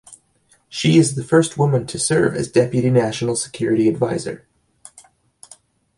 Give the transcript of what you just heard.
She is the first woman to serve as Deputy National Security Advisor.